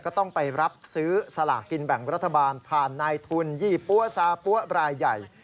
ก็ต้องไปรับซื้อสลากกินแบ่งรัฐบาลผ่านนายทุนยี่ปั้วซาปั๊วรายใหญ่